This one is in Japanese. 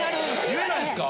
言えないっすか？